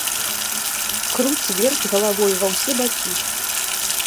Круць-верць галавою ва ўсе бакі.